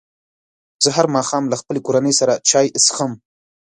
زه هر ماښام له خپلې کورنۍ سره چای څښم.